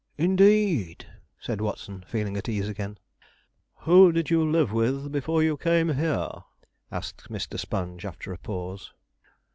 'Indeed!' said Watson, feeling at ease again. 'Who did you live with before you came here?' asked Mr. Sponge, after a pause.